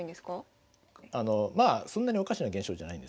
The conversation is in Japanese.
まあそんなにおかしな現象じゃないんです。